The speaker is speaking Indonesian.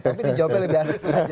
tapi dijawabnya lebih asli